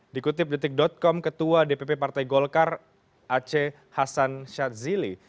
dikutip detik com ketua dpp partai golkar aceh hasan syadzili